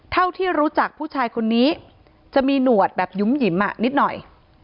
เท่าที่รู้จักผู้ชายคนนี้จะมีหนวดแบบหยุ่มหยิมนิดหน่อย